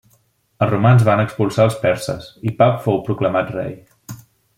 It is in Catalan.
Els romans van expulsar els perses i Pap fou proclamat rei.